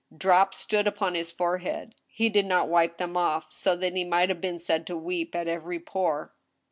Drops stood upon his forehead. He did not wipe them off ; so that he might have been said to weep at every pore.